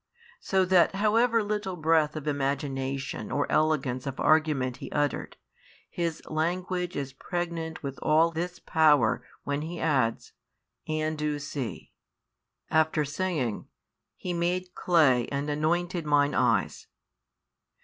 So that however little breadth of imagination or elegance of argument he uttered, his language is pregnant with all this power when he adds: and do see, after saying: He made clay and anointed mine eyes.